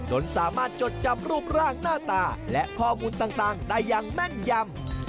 จนสามารถจดจำรูปร่างหน้าตาและข้อมูลต่างได้อย่างแม่นยำ